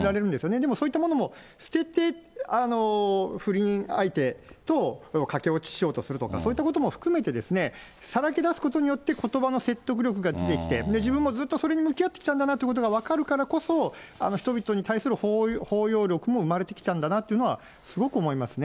でもそういったものも捨てて、不倫相手と駆け落ちしようとするとか、そういったことも含めて、さらけ出すことによって、ことばの説得力が出てきて、自分もずっとそれに向き合ってきたんだなということが分かるからこそ、人々に対する包容力も生まれてきたんだなというのはすごく思いますね。